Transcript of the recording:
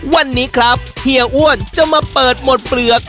วันนี้ครับเฮียอ้วนจะมาเปิดหมดเปลือก